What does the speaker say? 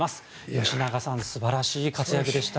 吉永さん素晴らしい活躍でした。